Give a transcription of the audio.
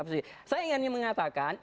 saya ingin mengatakan